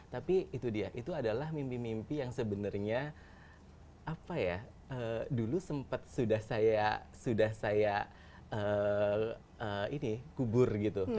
tapi itu dia itu adalah mimpi mimpi yang sebenarnya dulu sempat sudah saya kubur